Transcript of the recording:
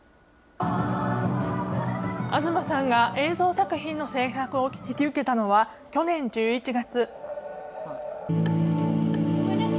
東さんが映像作品の制作を引き受けたのは去年１１月。